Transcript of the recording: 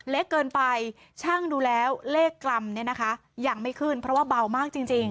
เล็กเกินไปช่างดูแล้วเลขกรรมเนี่ยนะคะยังไม่ขึ้นเพราะว่าเบามากจริง